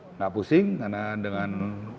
tidak pusing karena dengan